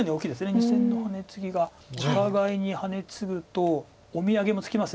２線のハネツギがお互いにハネツグとお土産も付きます。